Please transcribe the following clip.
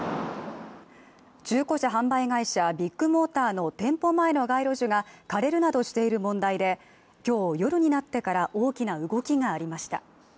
中古車販売会社・ビッグモーターの店舗前の街路樹が枯れるなどしている問題で今日、夜になってから大きな動きがありました。